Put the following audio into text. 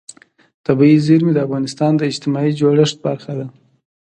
طبیعي زیرمې د افغانستان د اجتماعي جوړښت برخه ده.